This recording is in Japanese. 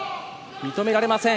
認められません。